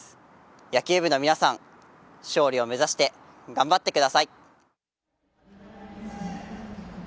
野球部のみなさん勝利を目指して頑張ってください。